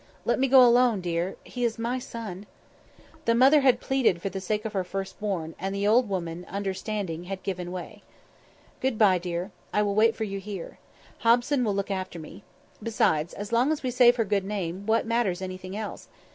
"Let me go alone, dear. He is my son!" The mother had pleaded for the sake of her first born, and the old woman, understanding, had given way. "Goodbye, dear. I will wait for you here. Hobson will look after me. Besides, as long as we save her good name, what matters anything else?